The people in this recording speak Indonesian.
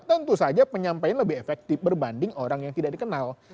tentu saja penyampaian lebih efektif berbanding orang yang tidak dikenal